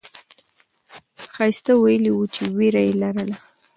ښایسته ویلي وو چې ویره یې لرله.